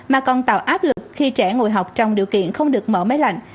mà còn tạo áp lực khi trẻ ngồi học trong điều kiện không được mở máy lạnh